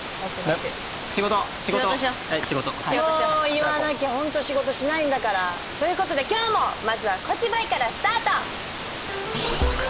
言わなきゃ本当仕事しないんだから。という事で今日もまずは小芝居からスタート！